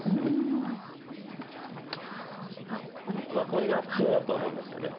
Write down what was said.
これが普通だとは思うんですよね。